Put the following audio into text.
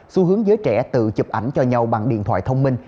xu hướng giới trẻ tự chụp ảnh cho nhau bằng điện thoại thông minh